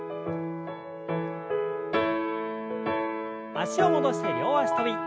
脚を戻して両脚跳び。